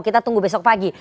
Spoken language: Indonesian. kita tunggu besok pagi